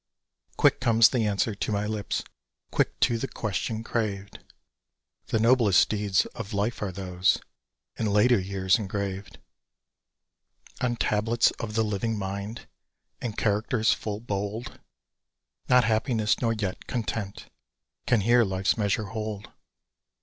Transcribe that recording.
Quick comes the answer to my lips Quick to the question craved "The noblest deeds of life are those In later years engraved "On tablets of the living mind, In characters full bold; Not happiness, nor yet content, Can here life's measure hold!